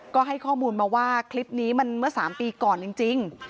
ก็ให้ข้อมูลมาว่าคลิปนี้มันเมื่อ๓ปีก่อนจริง